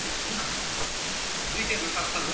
煲底